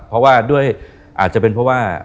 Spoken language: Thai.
เพราะว่าด้วยอาจจะเป็นเพราะว่า